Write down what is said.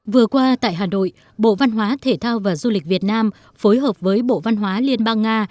vừa qua tại hà nội bộ văn hóa thể thao và du lịch việt nam phối hợp với bộ văn hóa liên bang nga